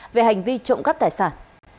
về hành vi trộm cắp tài sản